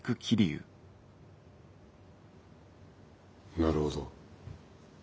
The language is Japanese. なるほど。